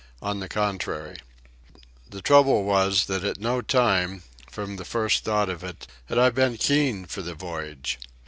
On the contrary. The trouble was that at no time, from the first thought of it, had I been keen for the voyage.